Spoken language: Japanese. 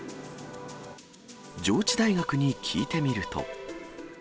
上智大学に聞いてみると。